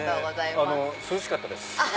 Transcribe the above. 涼しかったです。